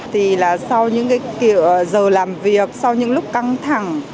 thì là sau những cái giờ làm việc sau những lúc căng thẳng